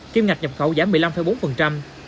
kiêm ngạch nhập khẩu giảm một mươi năm bốn